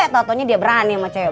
tau taunya dia berani sama cewek